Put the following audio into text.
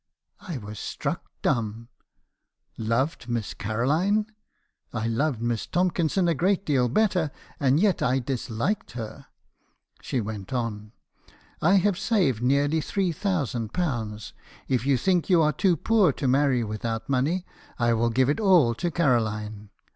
"I was struck dumb. Loved Miss Caroline! I loved Miss Tomkinson a great deal better, and yet I disliked her. She went on. "' I have saved nearly three thousand pounds. If you think you are too poor to marry without money, I will give it all to Caroline.